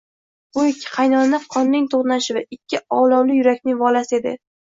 Bu ikki qaynoq qonning toʻqnashuvi, ikki olovli yurakning volasi edi.